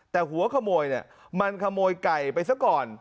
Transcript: แต่หัวขโมยมันขโมยไก่ไปสักก่อน